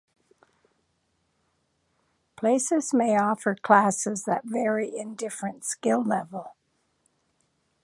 Places may offer classes that vary in different skill level.